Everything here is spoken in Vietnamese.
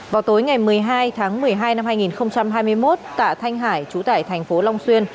vào tối ngày một mươi hai tháng một mươi hai năm hai nghìn hai mươi một tạ thanh hải trú tại thành phố long xuyên